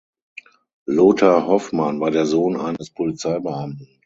Lothar Hoffmann war der Sohn eines Polizeibeamten.